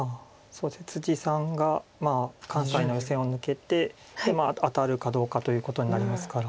さんが関西の予選を抜けて当たるかどうかということになりますから。